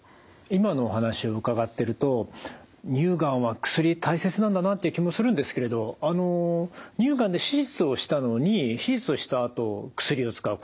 今のお話を伺ってると乳がんは薬大切なんだなっていう気もするんですけれど乳がんで手術をしたのに手術をしたあと薬を使う。